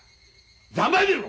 ざまあ見ろ！